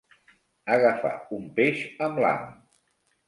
Agafar un peix amb l'ham.